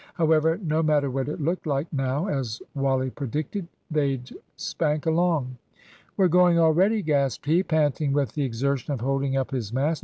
However, no matter what it looked like now, as Wally predicted, they'd spank along. "We're going already," gasped he, panting with the exertion of holding up his mast.